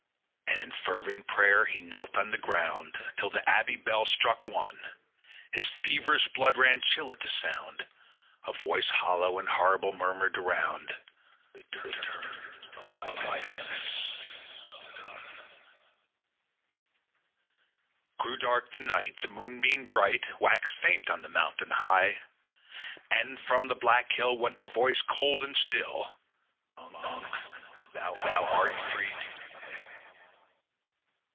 8. And in fervent pray'r he knelt on the ground, Till the abbey bell struck One: His feverish blood ran chill at the sound: A voice hollow and horrible murmured around _45 'The term of thy penance is done!' 9. Grew dark the night; The moonbeam bright Waxed faint on the mountain high; And, from the black hill, _50 Went a voice cold and still, 'Monk! thou art free to die.'